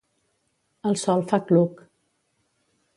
El sol fa cluc.